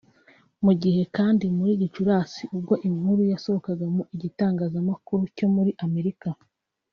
Mu gihe kandi muri Gicurasi ubwo inkuru yasohokaga mu gitangazamakuru cyo muri Amerika